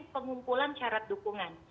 pengumpulan syarat dukungan